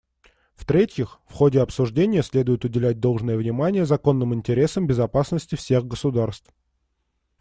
В-третьих, в ходе обсуждения следует уделять должное внимание законным интересам безопасности всех государств.